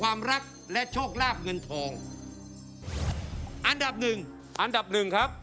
อันดับหนึ่งอันดับหนึ่งครับ